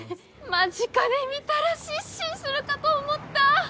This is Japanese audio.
間近で見たら失神するかと思った。